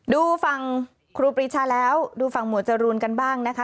ดูฝั่งครูปรีชาแล้วดูฝั่งหมวดจรูนกันบ้างนะคะ